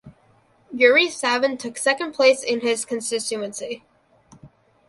Yuri Savin took second place in his constituency.